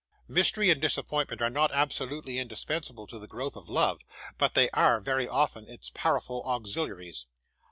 Mystery and disappointment are not absolutely indispensable to the growth of love, but they are, very often, its powerful auxiliaries.